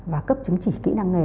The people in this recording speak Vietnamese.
và cấp chứng chỉ kỹ năng nghề